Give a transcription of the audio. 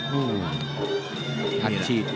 หันฉีด